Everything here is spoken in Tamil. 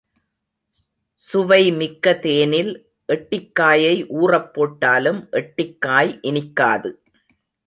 சுவைமிக்க தேனில் எட்டிக்காயை ஊறப் போட்டாலும் எட்டிக்காய் இனிக்காது!